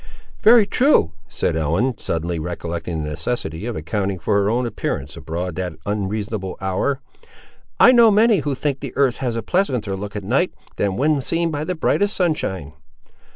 "Very true," said Ellen, suddenly recollecting the necessity of accounting for her own appearance abroad at that unseasonable hour; "I know many who think the earth has a pleasanter look in the night, than when seen by the brightest sunshine."